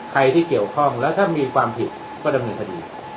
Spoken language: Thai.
ใครที่เกี่ยวข้องแล้วถ้ามีความผิดก็ดำเนินคดี